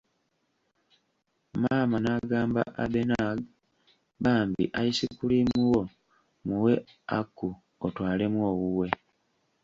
Maama n'agamba Abenag, bambi, ice cream wo muwe Aku otwalemu owuwe.